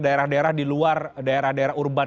daerah daerah di luar daerah daerah urban